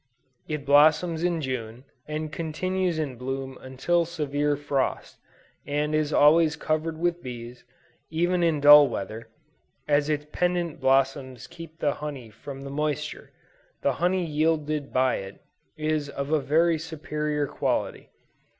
It blossoms in June, and continues in bloom until severe frost, and is always covered with bees, even in dull weather, as its pendant blossoms keep the honey from the moisture; the honey yielded by it, is of a very superior quality.